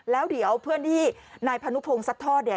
แล้วเดี๋ยวเพื่อนที่นายพานุพงศ์ซัดทอดเนี่ย